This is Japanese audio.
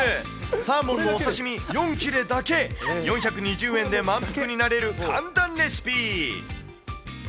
サーモンのお刺身４切れだけ、４２０円で満腹になれる簡単レシピ。